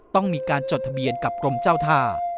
ต้องมีการจดทะเบียนกับกรมเจ้าท่า